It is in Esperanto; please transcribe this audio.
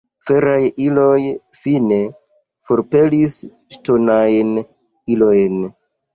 Feraj iloj fine forpelis ŝtonajn ilojn.